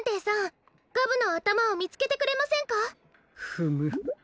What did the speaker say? フム。